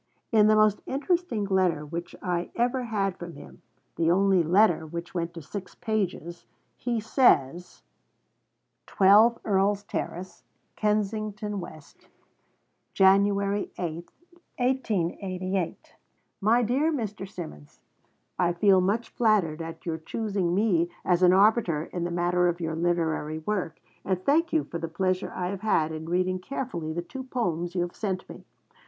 In the most interesting letter which I ever had from him, the only letter which went to six pages, he says: 12 EARL'S TERRACE, KENSINGTON, W., Jan. 8, 1888. MY DEAR MR. SYMONS, I feel much flattered at your choosing me as an arbiter in the matter of your literary work, and thank you for the pleasure I have had in reading carefully the two poems you have sent me.